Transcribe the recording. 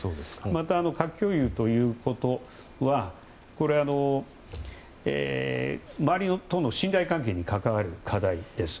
また、核共有ということはこれは周りとの信頼関係に関わる課題です。